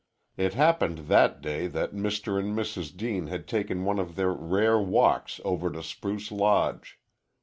It happened that day that Mr. and Mrs. Deane had taken one of their rare walks over to Spruce Lodge.